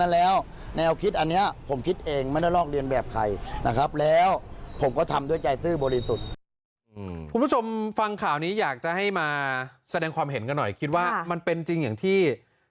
แล้วผมก็ทำด้วยใจซื่อบริสุทธิ์